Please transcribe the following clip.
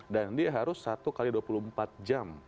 dan dia harus satu x dua puluh empat jam